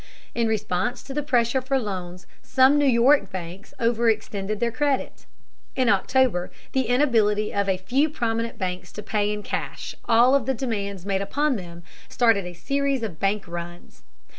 In response to the pressure for loans, some New York banks over extended their credit. In October the inability of a few prominent banks to pay in cash all of the demands made upon them started a series of bank "runs."